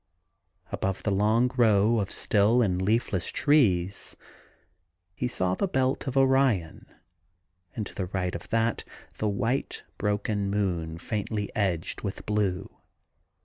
Above the long row of still and leafless trees he saw the belt of Orion, and to the right of that, the white, broken moon faintly edged with blue.